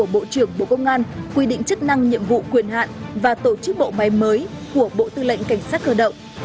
bộ trưởng bộ công an quy định chức năng nhiệm vụ quyền hạn và tổ chức bộ máy mới của bộ tư lệnh cảnh sát cơ động